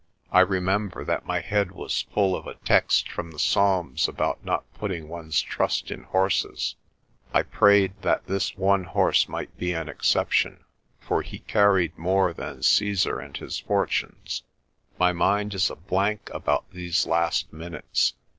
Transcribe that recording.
I remember that my head was full of a text from the Psalms about not putting one's trust in horses. I prayed that this one horse might be an exception, for he carried more than Cassar and his fortunes. My mind is a blank about these last minutes.